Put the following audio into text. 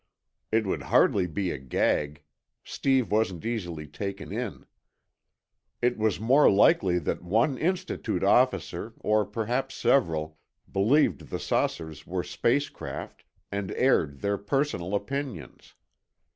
It would hardly be a gag; Steve wasn't easily taken in. It was more likely that one Institute officer, or perhaps several, believed the saucers were space craft and aired their personal opinions.